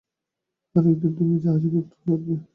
আর একদিন, তুমি এই জাহাজের ক্যাপ্টেন হয়ে উঠবে।